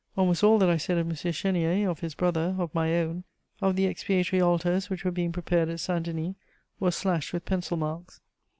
Almost all that I said of M. Chénier, of his brother, of my own, of the expiatory altars which were being prepared at Saint Denis was slashed with pencil marks.